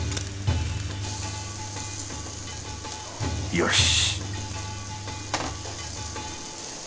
よし！